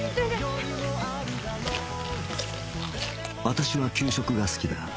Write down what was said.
私は給食が好きだ